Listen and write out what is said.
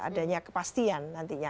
adanya kepastian nantinya